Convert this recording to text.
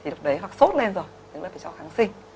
thì đục đấy hoặc sốt lên rồi